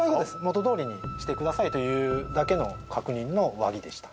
元どおりにしてくださいというだけの確認の和議でした。